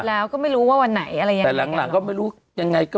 แล้วก็ไม่รู้ว่าวันไหนอะไรยังไงแต่หลังหลังก็ไม่รู้ยังไงก็